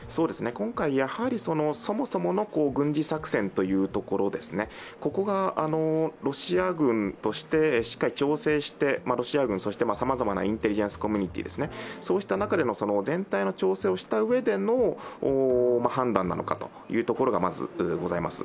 今回、やはりそもそもの軍事作戦というところですね、ここが、ロシア軍としてしっかり調整してロシア軍、様々なインテリジェンスコミュニティー、そうした中での全体の調整をしたうえでの判断なのかということがまずございます。